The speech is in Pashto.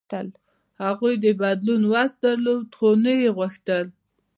هغوی د بدلون وس درلود، خو نه یې غوښتل.